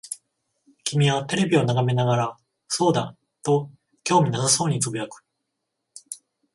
君はテレビを眺めながら、そうだ、と興味なさそうに呟く。